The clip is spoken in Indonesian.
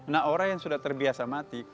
nah orang yang sudah terbiasa mati